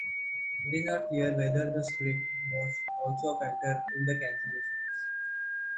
It is not clear whether the split was also a factor in the cancellations.